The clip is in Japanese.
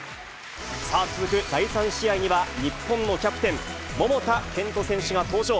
さあ、続く第３試合には、日本のキャプテン、桃田賢斗選手が登場。